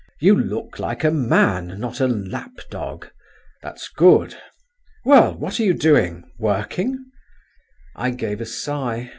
You look like a man, not a lap dog. That's good. Well, what are you doing? working?" I gave a sigh.